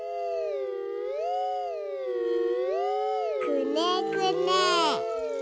くねくね。